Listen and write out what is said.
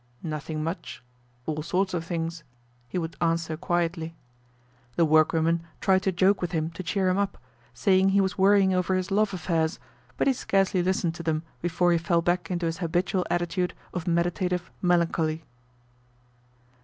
"Nothing much. All sorts of things," he would answer quietly. The workwomen tried to joke with him to cheer him up, saying he was worrying over his love affairs, but he scarcely listened to them before he fell back into his habitual attitude of meditative melancholy.